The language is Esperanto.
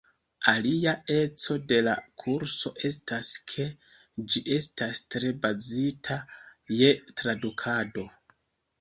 Alia eco de la kurso estas, ke ĝi estas tre bazita je tradukado.